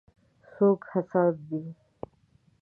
څوک هڅاند دی.